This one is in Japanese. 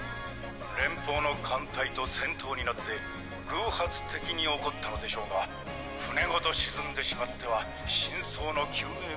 連邦の艦隊と戦闘になって偶発的に起こったのでしょうが艦ごと沈んでしまっては真相の究明も。